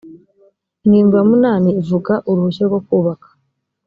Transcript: ingingo ya munani ivuga uruhushya rwo kubaka